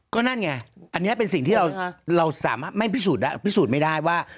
ก็นั่นไงอันนี้เป็นสิ่งที่เราสามารถไม่พิสูจน์ไม่ได้ว่า